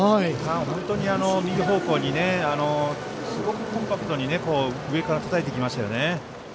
本当に右方向にすごくコンパクトに上からたたいてきましたよね。